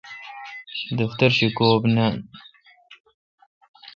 دفتر شی کوبی نان۔